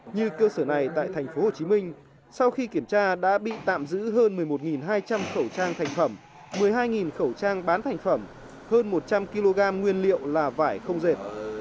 như cơ sở này tại thành phố hồ chí minh sau khi kiểm tra đã bị tạm giữ hơn một mươi một hai trăm linh khẩu trang thành phẩm một mươi hai khẩu trang bán thành phẩm hơn một trăm linh kg nguyên liệu là vải không dệt